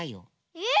えっ？